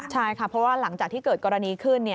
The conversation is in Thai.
ใช่ค่ะเพราะว่าหลังจากที่เกิดกรณีขึ้น